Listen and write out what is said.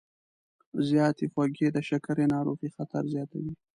زیاتې خوږې د شکرې ناروغۍ خطر زیاتوي.